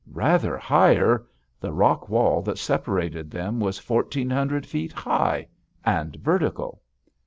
Rather higher! The rock wall that separated them was fourteen hundred feet high, and vertical.